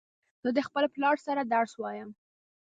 زه د خپل پلار سره درس وایم